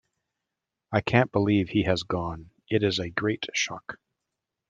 I can't believe he has gone - it is a great shock.